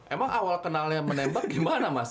emang awal kenalnya menembak gimana mas